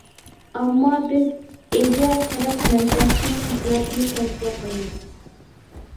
ئەمما بىز ئىگە تەرەپ مەنبەسىدىن قاچىلاشنى تەۋسىيە قىلىمىز.